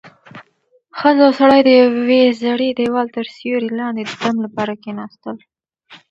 ښځه او سړی د یوې زړې دېوال تر سیوري لاندې د دم لپاره کېناستل.